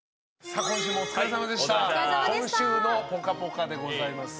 「今週のぽかぽか」でございます。